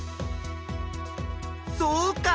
そうか！